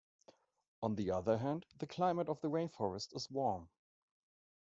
On the other hand, the climate of the rainforest is warm.